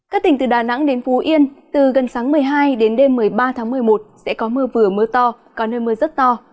các tỉnh từ đà nẵng đến phú yên từ gần sáng một mươi hai đến đêm một mươi ba tháng một mươi một sẽ có mưa vừa mưa to có nơi mưa rất to